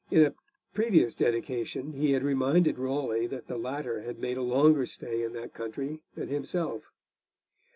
In a previous dedication he had reminded Raleigh that the latter had made a longer stay in that country than himself.